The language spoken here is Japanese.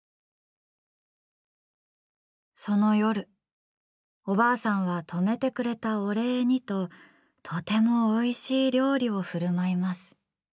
その夜、おばあさんは泊めてくれたお礼にととてもおいしい料理をふるまいます。